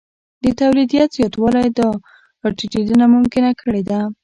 د تولیدیت زیاتوالی دا راټیټېدنه ممکنه کړې ده